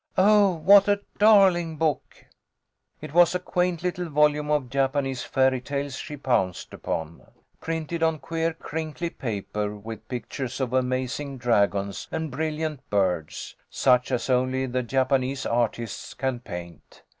" Oh, what a darling book !" It was a quaint little volume of Japanese fairy tales she pounced upon, printed on queer, crinkly THE HOME OF A HERO. I? I paper, with pictures of amazing dragons and brilliant birds, such as only the Japanese artists can paint.